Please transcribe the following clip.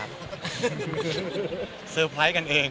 คือเซอร์ไพรส์กันเอง